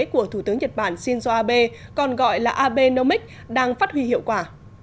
của thủ tướng nhật bản shinzo abe còn gọi là abe nomic đang phát huy hiệu quả